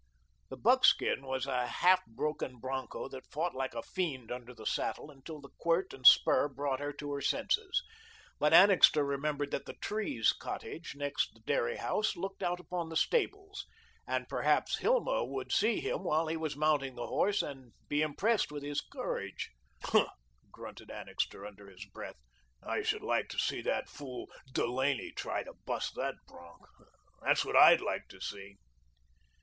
The buckskin was a half broken broncho that fought like a fiend under the saddle until the quirt and spur brought her to her senses. But Annixter remembered that the Trees' cottage, next the dairy house, looked out upon the stables, and perhaps Hilma would see him while he was mounting the horse and be impressed with his courage. "Huh!" grunted Annixter under his breath, "I should like to see that fool Delaney try to bust that bronch. That's what I'D like to see."